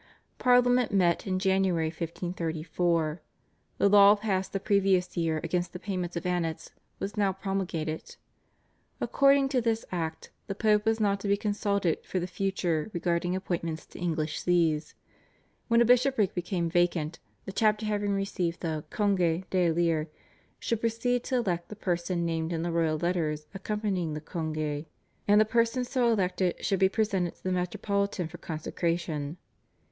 Parliament met in January 1534. The law passed the previous year against the payment of annats was now promulgated. According to this Act the Pope was not to be consulted for the future regarding appointments to English Sees. When a bishopric became vacant, the chapter having received the /Congé d'élire/ should proceed to elect the person named in the royal letters accompanying the /Congé/, and the person so elected should be presented to the metropolitan for consecration.